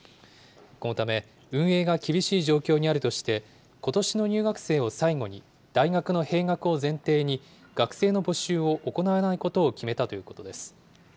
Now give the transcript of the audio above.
このため、運営が厳しい状況にあるとして、ことしの入学生を最後に、大学の閉学を前提に、学生の募集を行わないことを決めたということです。